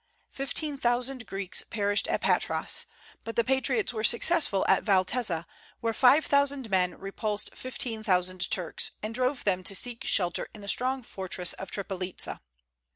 Fifteen thousand Greeks perished at Patras; but the patriots were successful at Valtezza, where five thousand men repulsed fifteen thousand Turks, and drove them to seek shelter in the strong fortress of Tripolitza.